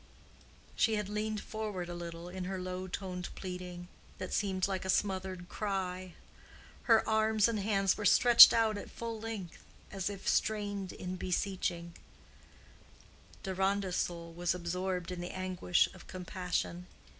She had leaned forward a little in her low toned pleading, that seemed like a smothered cry: her arms and hands were stretched out at full length, as if strained in beseeching, Deronda's soul was absorbed in the anguish of compassion.